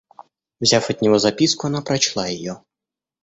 Взяв от него записку, она прочла ее.